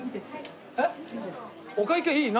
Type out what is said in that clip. お会計いい？